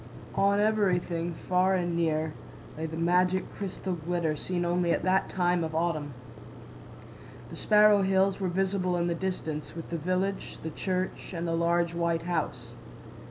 On everything—far and near—lay the magic crystal glitter seen only at that time of autumn. The Sparrow Hills were visible in the distance, with the village, the church, and the large white house.